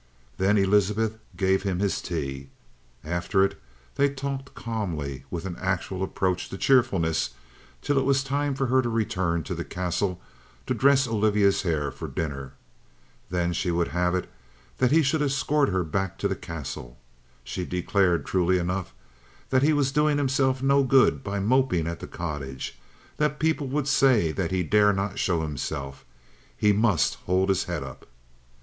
Then Elizabeth gave him his tea. After it they talked calmly with an actual approach to cheerfulness till it was time for her to return to the Castle to dress Olivia's hair for dinner. Then she would have it that he should escort her back to the Castle. She declared, truly enough, that he was doing himself no good by moping at the cottage, that people would say that he dare not show himself. He must hold his head up.